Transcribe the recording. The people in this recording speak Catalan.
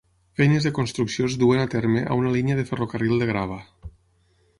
Feines de construcció es duen a terme a una línia de ferrocarril de grava.